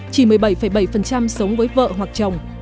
chỉ một mươi bảy bảy sống với vợ hoặc chồng